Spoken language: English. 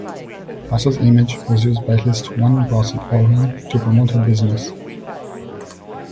Busse's image was used by at least one brothel owner to promote her business.